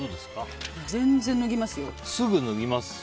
全然脱ぎますよ。